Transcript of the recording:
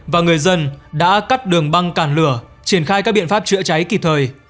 và người dân đã cắt đường băng cản lửa triển khai các biện pháp chữa cháy kịp thời